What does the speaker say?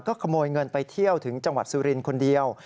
ขโมยเงินไปเที่ยวถึงจังหวัดสุรินทร์คนเดียว